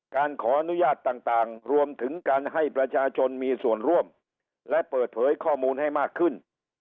การขออนุญาตต่างรวมถึงการให้ประชาชนมีส่วนร่วมและเปิดเผยข้อมูลให้มากขึ้น